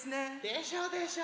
でしょでしょ。